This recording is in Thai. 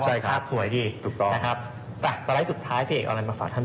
ใช่ครับสวยดีถูกต้องนะครับอ่ะสไลด์สุดท้ายพี่เอกเอาอะไรมาฝากท่าน